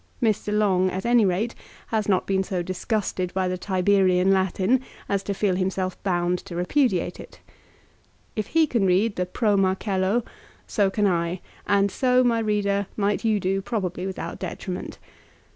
Mr. Long at any rate, has not been so disgusted by the Tiberian Latin as to feel himself bound to repudiate it. If he can read the "Pro Marcello," so can I, and MARCELLUS, LIGARIUS, AND DEIOTARUS. 179 so, my reader, might you do probably without detriment.